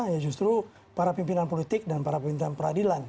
ya justru para pimpinan politik dan para pimpinan peradilan